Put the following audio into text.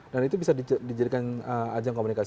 dan itu bisa dijadikan ajang komunikasi